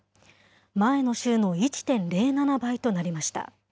前の週の１．０７倍となりました。